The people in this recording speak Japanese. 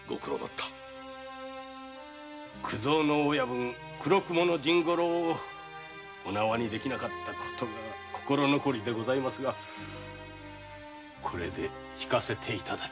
九蔵の親分・黒雲の甚五郎をお縄にできなかった事が心残りではございますがこれで退かせて頂きます。